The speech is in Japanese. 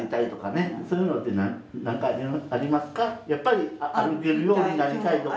やっぱり歩けるようになりたいとか。